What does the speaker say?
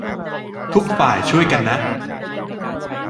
ทุกฝ่าย ช่วยกันนะ